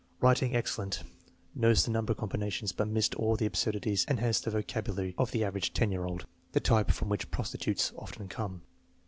Writing excellent, knows the number combinations, but missed all the absurdities and has the vocabulary of an average 10 year old. The type from which prostitutes often come.